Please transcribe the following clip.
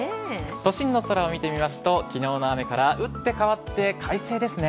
都心の空を見てみますと昨日の雨から打って変わって快晴ですね。